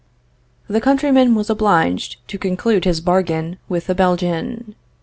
The countryman was obliged to conclude his bargain with the Belgian.